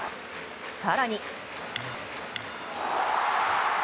更に。